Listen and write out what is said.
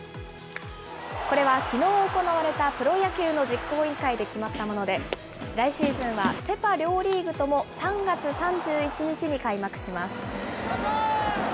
これは、きのう行われたプロ野球の実行委員会で決まったもので、来シーズンはセ・パ両リーグとも３月３１日に開幕します。